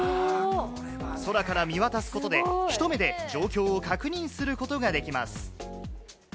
空から見渡すことで、一目で状況を確認することができます。